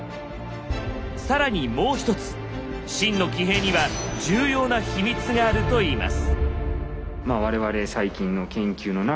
更にもう一つ秦の騎兵には重要なヒミツがあるといいます。